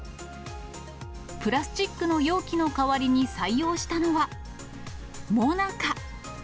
プラスチックの容器の代わりに採用したのは、もなか。